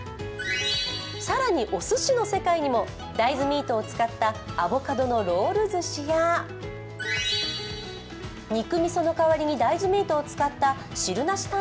更に、おすしの世界にも大豆ミートを使ったアボカドのロールずしや肉みその代わりに大豆ミートを使った汁なし